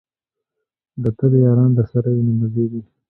د طبې یاران درسره وي نو مزې دي.